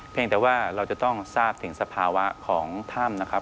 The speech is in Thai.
เพียงแต่ว่าเราจะต้องทราบถึงสภาวะของถ้ำ